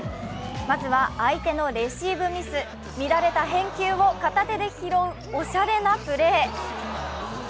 まずは相手のレシーブミス、乱れた返球を片手で拾うおしゃれなプレー。